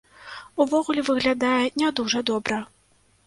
Увогуле выглядае не дужа добра.